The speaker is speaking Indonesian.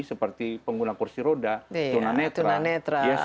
seperti pengguna kursi roda turunan netra